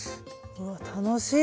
うわ楽しい！